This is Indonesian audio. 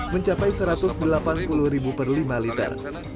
mencapai rp satu ratus delapan puluh per lima liter